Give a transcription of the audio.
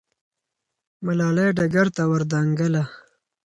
ملالۍ ډګر ته ور دانګله.